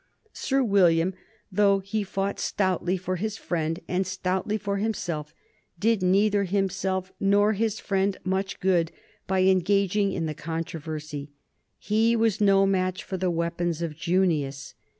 Sir William, though he fought stoutly for his friend and stoutly for himself, did neither himself nor his friend much good by engaging in the controversy. He was no match for the weapons of Junius.